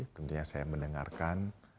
tentunya saya mendengarkan